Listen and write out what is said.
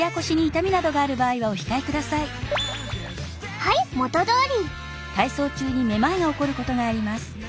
はい元どおり。